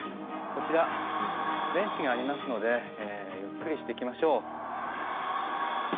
こちらベンチがありますのでゆっくりしていきましょう。